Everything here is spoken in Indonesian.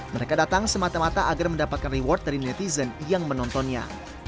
mereka datang semata mata agar mendapatkan reward dari netizen yang menontonnya